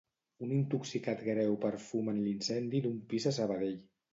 Un intoxicat greu per fum en l'incendi d'un pis a Sabadell.